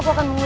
pakun itu dia